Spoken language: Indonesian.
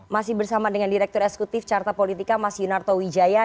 masih bersama dengan direktur eksekutif carta politika mas yunarto wijaya